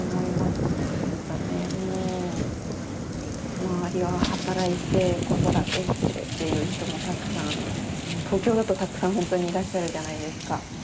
周りは働いて子育てしてっていう人もたくさんもう東京だとたくさんほんとにいらっしゃるじゃないですか。